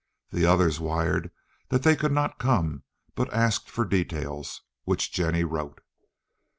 The others wired that they could not come, but asked for details, which Jennie wrote.